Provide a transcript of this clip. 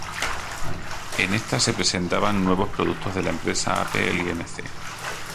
En esta se presentaban nuevos productos de la empresa Apple Inc.